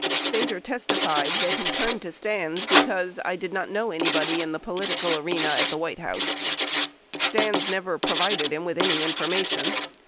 Spater testified that he turned to Stans because "I did not know anybody in the political arena at the White House," Stans never provided him with any in formation.